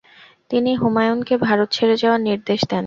তিনি হুমায়ূনকে ভারত ছেড়ে যাওয়ার নির্দেশ দেন।